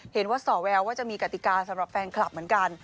ส่อแววว่าจะมีกติกาสำหรับแฟนคลับเหมือนกัน